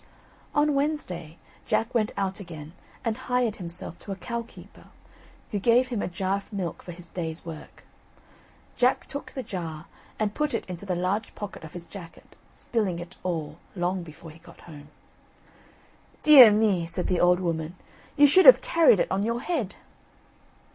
On Wednesday, Jack went out again and hired himself to a cow keeper, who gave him a jar of milk for his day's work. Jack took the jar and put it into the large pocket of his jacket, spilling it all, long before he got home. "Dear me!" said the old woman; "you should have carried it on your head."